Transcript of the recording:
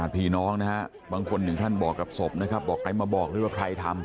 พี่น้องนะฮะบางคนผ่านบอกกับสมบอกใครมาบอกเลยว่าใครทำ